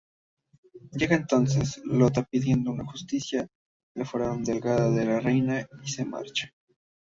Llega entonces Lota pidiendo justicia, el Faraón delega en la Reina y se marcha.